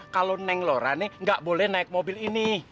kalau neng laura nih gak boleh naik mobil ini